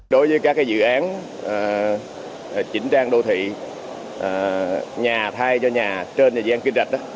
đối với các dự án chỉnh trang đô thị nhà thay cho nhà trên dự án kinh rạch